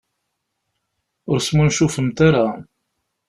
Ur smuncufemt ara.